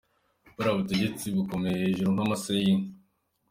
Buriya butegetsi bukomeye hejuru nk’amase y’inka.